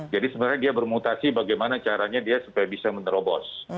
jadi sebenarnya dia bermutasi bagaimana caranya dia supaya bisa menerobos